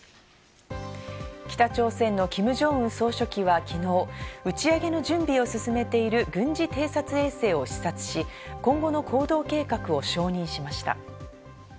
北朝鮮のキム・ジョンウン総書記はきのう打ち上げの準備を進めている軍事偵察衛星を視察し、今後の行動計画を承認しました。